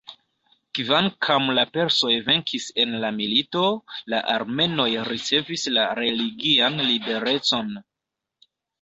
Kvankam la persoj venkis en la milito, la armenoj ricevis la religian liberecon.